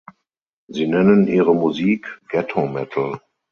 Sie nennen ihre Musik "Ghetto Metal".